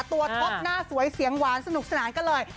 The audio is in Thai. ท็อปหน้าสวยเสียงหวานสนุกสนานกันเลย